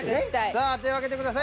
さあ手を挙げてください。